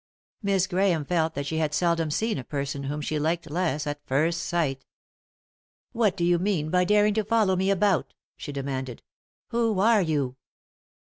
Miss Grahame felt that she had seldom seen a person whom she liked less at first sight. "What do you mean by daring to follow me about ?" she demanded. " Who are you